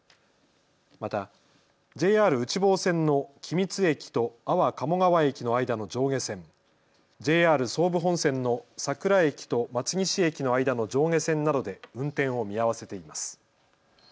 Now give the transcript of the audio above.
またＪＲ内房線の君津駅と安房鴨川駅の間の上下線、ＪＲ総武本線の佐倉駅と松岸駅の間の上下線などで運転を見合わせています。